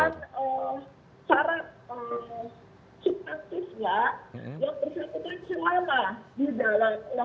kemudian syarat subtantifnya yang tersebut selama di dalam